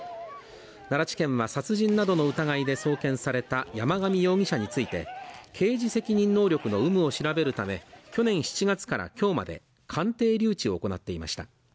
奈良地検は殺人などの疑いで送検された山上容疑者について刑事責任能力の有無を調べるため、去年７月から今日まで鑑定留置を行っていました。